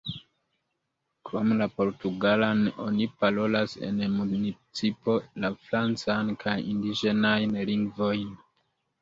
Krom la portugalan, oni parolas en municipo la francan kaj indiĝenajn lingvojn.